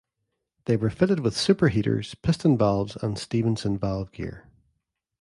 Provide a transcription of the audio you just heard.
They were fitted with superheaters, piston valves and Stephenson valve gear.